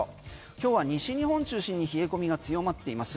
今日は西日本中心に冷え込みが強まっています。